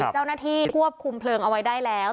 เจ้าหน้าที่ควบคุมเพลิงเอาไว้ได้แล้ว